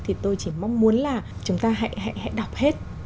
thì tôi chỉ mong muốn là chúng ta hãy đọc hết